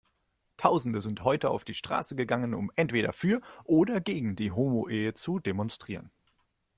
Tausende sind heute auf die Straße gegangen, um entweder für oder gegen die Homoehe zu demonstrieren.